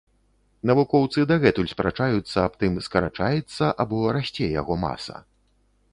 Навукоўцы дагэтуль спрачаюцца аб тым, скарачаецца або расце яго маса.